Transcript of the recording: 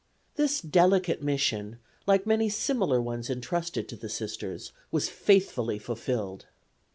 This delicate mission, like many similar ones entrusted to the Sisters, was faithfully fulfilled.